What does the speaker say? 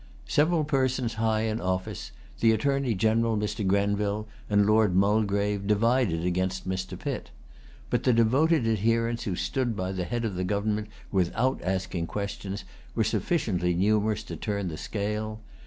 Several persons high in office, the Attorney General, Mr. Grenville, and Lord Mulgrave, divided[Pg 219] against Mr. Pitt. But the devoted adherents who stood by the head of the government without asking questions were sufficiently numerous to turn the scale.